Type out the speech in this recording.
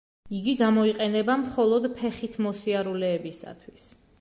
იგი გამოიყენება მხოლოდ ფეხით მოსიარულეებისათვის.